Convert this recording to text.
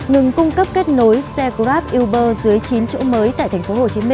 ngừng cung cấp kết nối xe grab uber dưới chín chỗ mới tại tp hcm